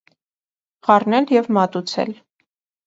Խառնել և մատուցել։